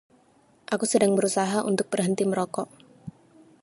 Aku sedang berusaha untuk berhenti merokok.